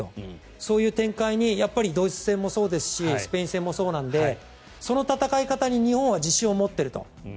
そういう展開にドイツ戦もそうですしスペイン戦もそうなのでその戦い方に日本は自信を持っていると。